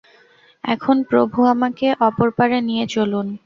এখন প্রভু আমাকে অপর পারে নিয়ে চলুন।